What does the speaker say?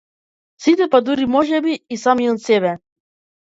Сите па дури можеби и самиот себе.